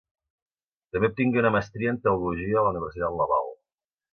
També obtingué una mestria en teologia a la Universitat Laval.